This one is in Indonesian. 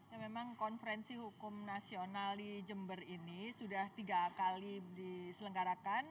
ya memang konferensi hukum nasional di jember ini sudah tiga kali diselenggarakan